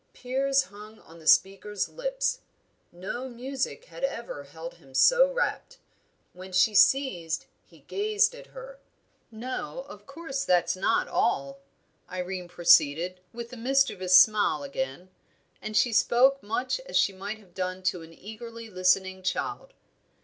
Piers hung on the speaker's lips. No music had ever held him so rapt. When she ceased he gazed at her. "No, of course, that's not all," Irene proceeded, with the mischievous smile again; and she spoke much as she might have done to an eagerly listening child.